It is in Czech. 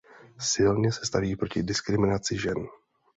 Silně se staví proti diskriminaci žen.